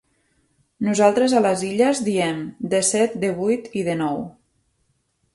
Nosaltres a les Illes diem desset, devuit i denou.